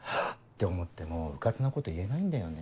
て思ってもうかつなこと言えないんだよね。